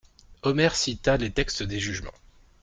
Omer cita les textes des jugements.